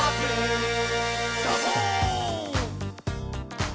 「サボーン！」